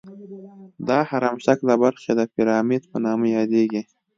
دا هرم شکله برخې د پیرامید په نامه یادیږي.